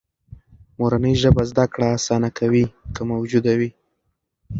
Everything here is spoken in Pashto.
مورنۍ ژبه زده کړه آسانه کوي، که موجوده وي.